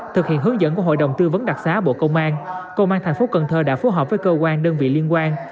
thực hiện hướng dẫn của hội đồng tư vấn đặc xá bộ công an công an thành phố cần thơ đã phối hợp với cơ quan đơn vị liên quan